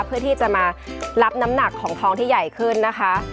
เพื่อที่จะมารับน้ำหนักของทองที่ใหญ่ขึ้นนะคะ